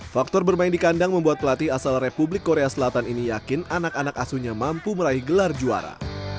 faktor bermain di kandang membuat pelatih asal republik korea selatan ini yakin anak anak asuhnya mampu meraih gelar juara